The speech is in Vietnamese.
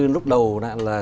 lúc đầu là